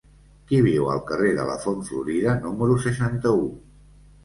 Qui viu al carrer de la Font Florida número seixanta-u?